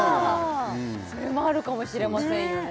それもあるかもしれませんよね